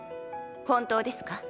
本当ですか？